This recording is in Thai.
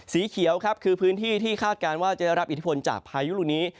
สีเขียวครับคือพื้นที่ที่คาดการณ์ว่าจะได้รับอิทธิพลจากพายุลูกนี้